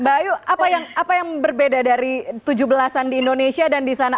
mbak ayu apa yang berbeda dari tujuh belas an di indonesia dan di sana